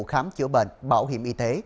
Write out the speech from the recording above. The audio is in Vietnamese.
khám chữa bệnh bảo hiểm y tế